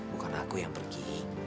bukan aku yang pergi